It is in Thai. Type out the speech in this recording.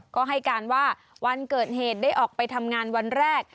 ก็ให้การว่าวันเกิดเหตุได้ออกไปทำงานวันแรก